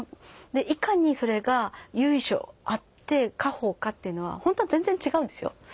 いかにそれが由緒あって家宝かっていうのは本当は全然違うんですよ。